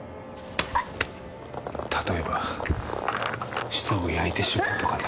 例えば舌を焼いてしまうとかね。